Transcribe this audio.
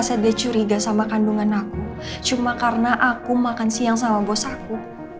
saya dia curiga sama kandungan aku cuma karena aku makan siang sama bos aku